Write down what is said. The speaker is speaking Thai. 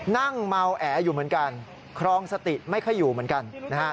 นั่งเมาแออยู่เหมือนกันครองสติไม่ค่อยอยู่เหมือนกันนะฮะ